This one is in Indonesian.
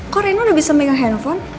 kok reina udah bisa megang handphone